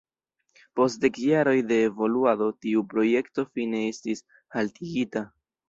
Post dek jaroj de evoluado tiu projekto fine estis haltigita.